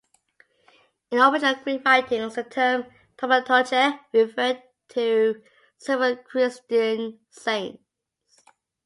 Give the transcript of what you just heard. In original Greek writings, the term "thaumaturge" referred to several Christian saints.